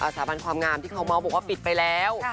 สาบันความงามที่เขาเมาส์บอกว่าปิดไปแล้ว